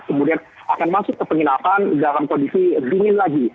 kemudian akan masuk ke penginapan dalam kondisi dingin lagi